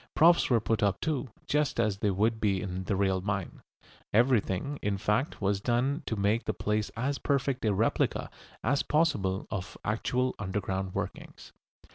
Props were put up too, just as they would be in the real mine. Everything, in fact, was done to make the place as perfect a replica as possible of actual underground workings.